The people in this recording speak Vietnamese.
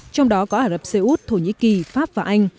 trong đó có ả rập xê út thổ nhĩ kỳ pháp và anh